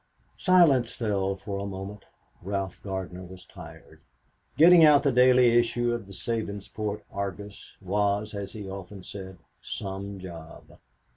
Silence fell for a moment. Ralph Gardner was tired. Getting out the daily issue of the Sabinsport Argus was, as he often said, "Some job."